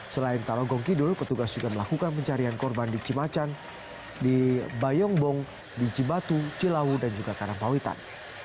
selain tarogong kidul petugas juga melakukan pencarian korban di cimacan di bayongbong di cibatu cilawu dan juga karampawitan